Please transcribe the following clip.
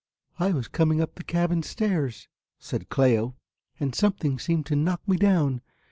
"I was coming up the cabin stairs," said Cléo, "and something seemed to knock me down.